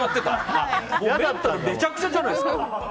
メンタルめちゃくちゃじゃないですか。